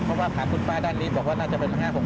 เพราะว่าถามคุณป้าด้านนี้บอกว่าน่าจะเป็น๑๕๖๖